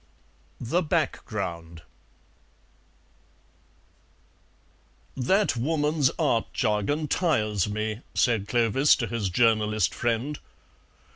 THE BACKGROUND "That woman's art jargon tires me," said Clovis to his journalist friend.